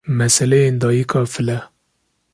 meseleyên Dayika File